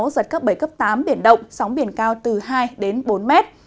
giật cấp bảy cấp tám biển động sóng biển cao từ hai bốn m